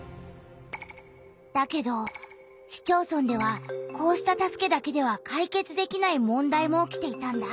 だけど市町村ではこうした助けだけでは解決できない問題も起きていたんだ。